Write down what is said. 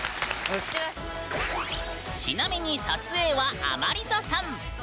ちなみに撮影はアマリザさん。